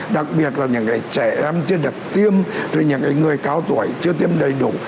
đặc biệt là những trẻ em chưa được tiêm rồi những người cao tuổi chưa tiêm đầy đủ